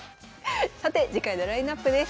さて次回のラインナップです。